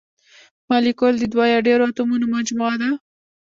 مالیکول د دوه یا ډیرو اتومونو مجموعه ده.